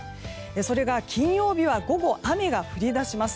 それが金曜日は午後、雨が降り出します。